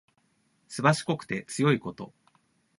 すばしこくて強いこと。